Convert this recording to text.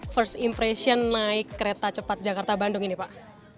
first impression naik kereta cepat jakarta bandung ini pak